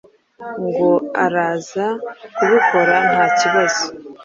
ngo araza kubikora ntakibazo